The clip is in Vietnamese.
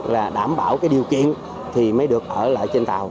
là đảm bảo cái điều kiện thì mới được ở lại trên tàu